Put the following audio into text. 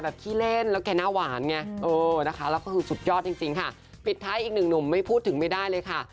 ปิดถ่ายอีกหนุ่มไม่พูดถึงไม่ได้เลยค่ะ